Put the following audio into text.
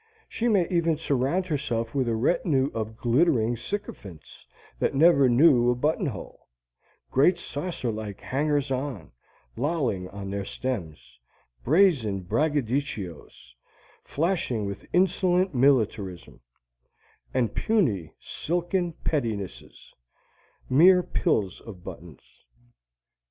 She may even surround herself with a retinue of glittering sycophants that never knew a buttonhole great saucerlike hangers on, lolling on their stems; brazen braggadocios, flashing with insolent militarism; and puny silken pettinesses, mere pills of buttons.